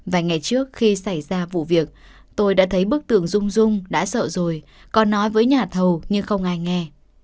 vài ngày trước khi xảy ra vụ việc tôi đã thấy bức tường dung đã sợ rồi còn nói với nhà thầu nhưng không ai nghe